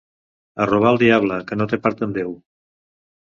A robar al diable, que no té part amb Déu.